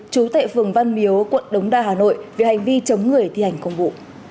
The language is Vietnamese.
chú tệ phường văn miếu quận đống đa hà nội về hành vi chống người thi hành công vụ